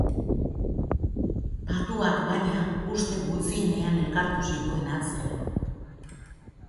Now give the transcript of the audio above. Patuak, baina, uste gutxienean elkartu zituen atzera.